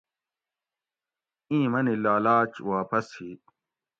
اِیں منی لالاچ واپس ہی